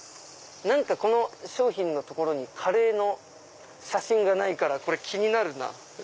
この商品のところにカレーの写真がないから気になる。